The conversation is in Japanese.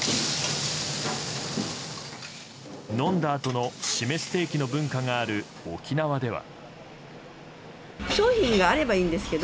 飲んだあとの締めステーキの文化がある沖縄では。